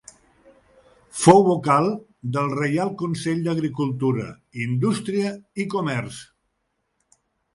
Fou vocal del Reial Consell d'Agricultura, Indústria i Comerç.